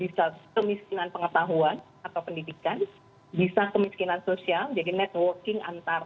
bisa soal ekonomi bisa kemiskinan pengetahuan atau pendidikan bisa kemiskinan sosial jadi networking antara